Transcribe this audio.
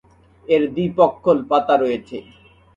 এর দ্বি-পক্ষল পাতা রয়েছে।